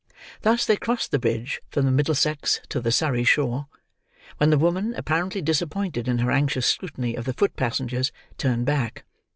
Thus, they crossed the bridge, from the Middlesex to the Surrey shore, when the woman, apparently disappointed in her anxious scrutiny of the foot passengers, turned back.